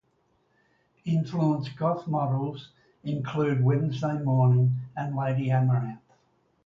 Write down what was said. Influential goth models include Wednesday Mourning and Lady Amaranth.